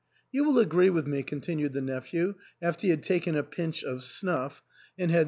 "You will agree with me," continued the nephew, after he had taken a pinch of snuff and had 332 ARTHUR'S HALL.